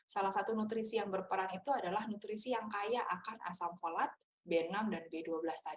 salah satu nutrisi yang berperan itu adalah nutrisi yang kaya akan asam folat b enam dan b dua belas tadi